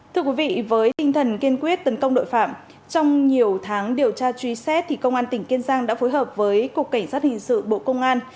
thưa quý vị với tinh thần kiên quyết tấn công tội phạm trong nhiều tháng điều tra truy xét thì công an tỉnh kiên giang đã phối hợp với cục cảnh sát hình sự bộ công an